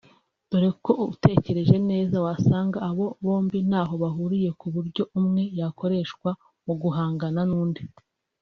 dore ko utekereje neza wasanga abo bombi ntaho bahuriye ku buryo umwe yakoreshwa mu guhangana n’undi